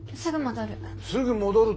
すぐ戻る。